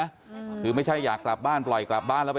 ก็คงจะต้องช่วยหาที่หาทางให้บำบัดให้เสร็จนะ